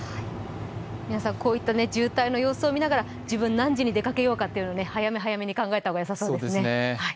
皆さん、こういった渋滞の様子を見ながら、自分は何時に出かけようか早め、早めに考えた方がよさそうですね。